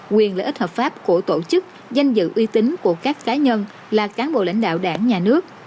quyền lợi ích hợp pháp của tổ chức danh dự uy tín của các cá nhân là cán bộ lãnh đạo đảng nhà nước